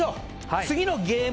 次のゲーム